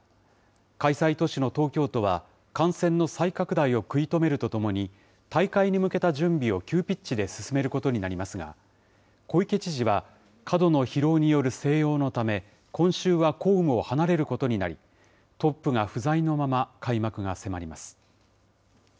開催都市の東京都は、感染の再拡大を食い止めるとともに、大会に向けた準備を急ピッチで進めることになりますが、小池知事は、過度の疲労による静養のため、今週は公務を離れることになり、トップが不在のまま開幕が迫ります。